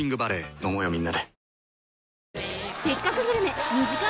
飲もうよみんなで。